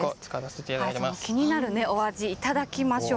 気になるお味いただきしょう。